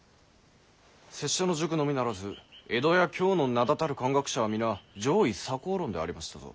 拙者の塾のみならず江戸や京の名だたる漢学者は皆攘夷鎖港論でありましたぞ。